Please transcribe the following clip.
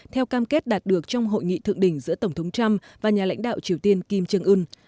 theo cam kết đạt được trong hội nghị thượng đỉnh giữa tổng thống trump và nhà lãnh đạo triều tiên kim trương ưn